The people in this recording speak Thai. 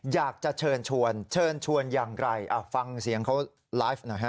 อยากจะเชิญชวนเชิญเชิญชวนอย่างไรฟังเสียงเขาไลฟ์หน่อยฮะ